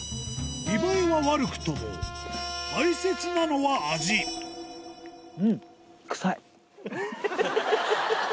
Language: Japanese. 見栄えは悪くとも大切なのは味ハハハハ！